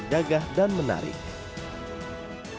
menteri pertahanan juga harus berposisional